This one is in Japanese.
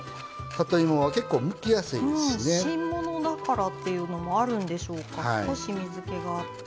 新物だからっていうのもあるんでしょうか少し水けがあって。